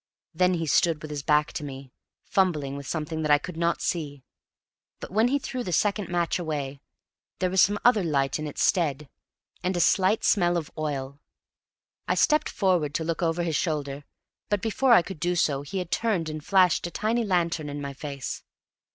Then he stood with his back to me, fumbling with something that I could not see. But, when he threw the second match away, there was some other light in its stead, and a slight smell of oil. I stepped forward to look over his shoulder, but before I could do so he had turned and flashed a tiny lantern in my face.